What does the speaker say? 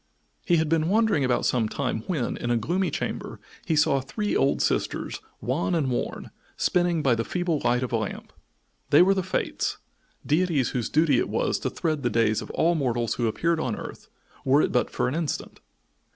He had been wandering about some time when, in a gloomy chamber, he saw three old sisters, wan and worn, spinning by the feeble light of a lamp. They were the Fates, deities whose duty it was to thread the days of all mortals who appeared on earth, were it but for an instant.